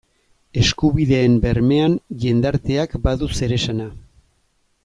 Eskubideen bermean jendarteak badu zeresana.